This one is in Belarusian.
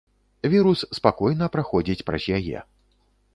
Вірус спакойна праходзіць праз яе.